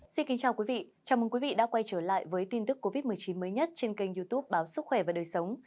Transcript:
xin kính chào quý vị chào mừng quý vị đã quay trở lại với tin tức covid một mươi chín mới nhất trên kênh youtube báo sức khỏe và đời sống